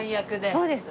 そうです。